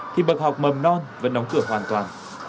thì bậc học mầm non vẫn đóng cửa hoàn toàn